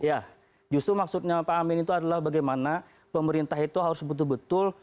ya justru maksudnya pak amin itu adalah bagaimana pemerintah itu harus betul betul